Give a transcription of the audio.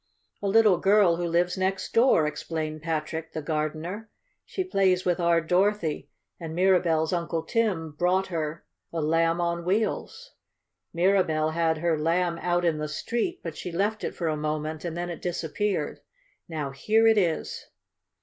"A little girl who lives next door," explained Patrick, the gardener. "She plays with our Dorothy, and Mirabell's Uncle Tim brought her a Lamb on Wheels. Mirabell had her Lamb out in the street, but she left it for a moment and then it disappeared. Now here it is!"